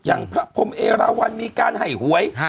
อย่างพระพรมเอราวันมีการให้หวย